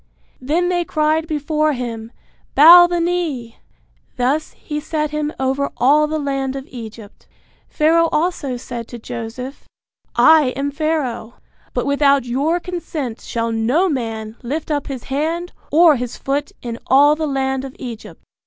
Then they cried before him, Bow the knee! Thus he set him over all the land of Egypt. Pharaoh also said to Joseph, I am Pharaoh, but without your consent shall no man lift up his hand or his foot in all the land of Egypt.